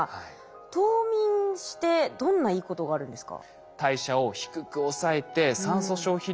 冬眠してどんないいことがあるんですか？